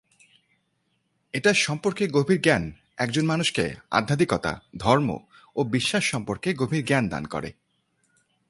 এটা সম্পর্কে গভীর জ্ঞান একজন মানুষকে আধ্যাত্মিকতা, ধর্ম ও বিশ্বাস সম্পর্কে গভীর জ্ঞান দান করে।